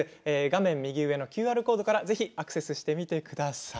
画面右上のＱＲコードからぜひアクセスしてみてください。